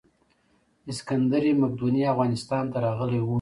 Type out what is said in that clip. اسکندر مقدوني افغانستان ته راغلی و